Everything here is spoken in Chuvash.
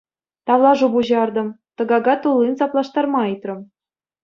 Тавлашу пуҫартӑм, тӑкака туллин саплаштарма ыйтрӑм.